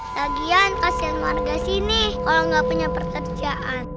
lagian kasian warga sini kalau nggak punya pekerjaan